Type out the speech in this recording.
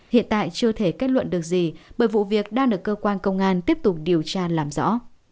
hiện tại chưa thể kết luận được gì bởi vụ việc đang được cơ quan công an tiếp tục điều tra làm rõ